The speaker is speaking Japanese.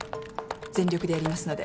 全力でやりますので。